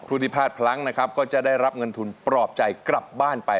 ที่พลาดพลั้งนะครับก็จะได้รับเงินทุนปลอบใจกลับบ้านไป